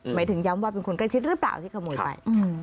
หมายถึงย้ำว่าเป็นคนใกล้ชิดหรือเปล่าที่ขโมยไป